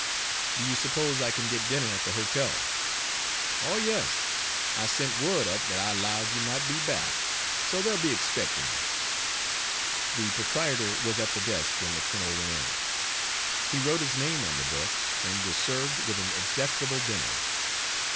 "Do you suppose I can get dinner at the hotel?" "Oh, yes! I sent word up that I 'lowed you might be back, so they'll be expectin' you." The proprietor was at the desk when the colonel went in. He wrote his name on the book, and was served with an execrable dinner.